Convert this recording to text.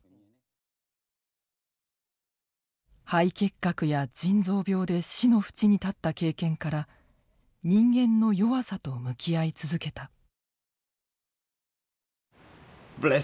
肺結核や腎臓病で死のふちに立った経験から人間の弱さと向き合い続けた。